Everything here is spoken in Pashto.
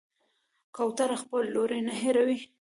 کوتره خپل لوری نه هېروي.